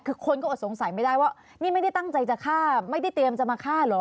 คือคนก็อดสงสัยไม่ได้ว่านี่ไม่ได้ตั้งใจจะฆ่าไม่ได้เตรียมจะมาฆ่าเหรอ